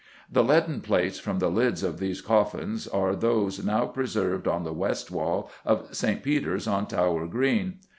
The leaden plates from the lids of these coffins are those now preserved on the west wall of St. Peter's on Tower Green.